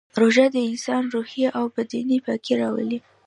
روژه د انسان روحي او بدني پاکي راولي